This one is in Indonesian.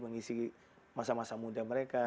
mengisi masa masa muda mereka